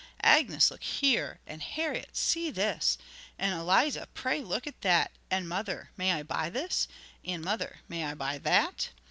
'Agnes look here,' and 'Harriet see this'; and 'Eliza, pray look at that'; and 'Mother, may I buy this?' and 'Mother, may I buy that?'